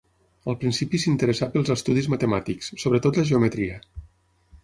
Al principi s'interessà pels estudis matemàtics, sobretot la geometria.